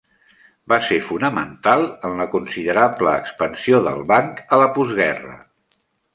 Va ser fonamental en la considerable expansió del banc a la postguerra.